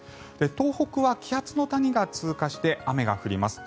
東北は気圧の谷が通過して雨が降ります。